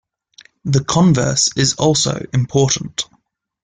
The converse is also important.